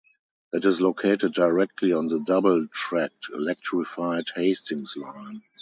It is located directly on the double-tracked electrified Hastings Line.